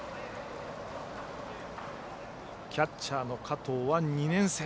キャッチャーの加藤は２年生。